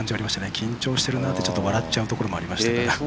緊張してるなって笑っちゃうところもありましたから。